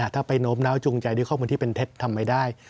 ถ้าไปโน้มน้าวจูงใจด้วยข้อมูลที่เป็นเท็จทำไม่ได้